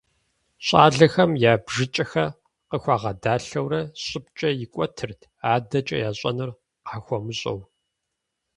Щӏалэхэм я бжыкӀхэр къыхуагъэдалъэурэ щӀыбкӀэ икӀуэтырт, адэкӀэ ящӀэнур къахуэмыщӀэу.